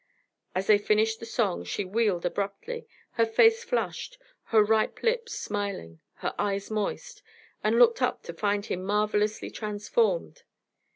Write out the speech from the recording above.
As they finished the song she wheeled abruptly, her face flushed, her ripe lips smiling, her eyes moist, and looked up to find him marvelously transformed.